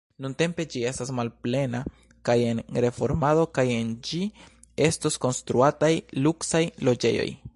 Nuntempe ĝi estas malplena kaj en reformado, kaj en ĝi estos konstruataj luksaj loĝejoj.